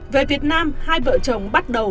về việt nam hai vợ chồng bắt đầu